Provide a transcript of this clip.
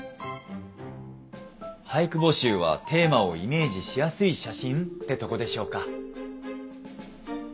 俳句募集はテーマをイメージしやすい写真ってとこでしょうか。